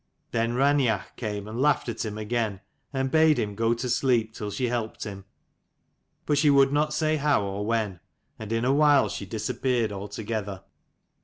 Then Raineach came and laughed at him again, and bade him go to sleep till she helped him : but she would not say how or when. And in a while she disappeared altogether.